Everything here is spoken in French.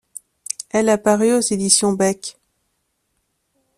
Elle a paru aux éditions Beck.